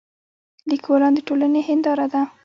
لیکوالان د ټولنې هنداره ده.